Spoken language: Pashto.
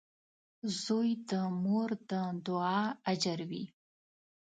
• زوی د مور د دعا اجر وي.